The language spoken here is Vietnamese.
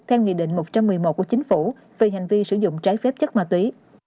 theo nghị định một trăm một mươi một của chính phủ về hành vi sử dụng trái phép chất ma túy